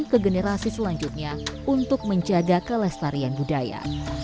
ke generasi selanjutnya untuk menjaga kelestarian budaya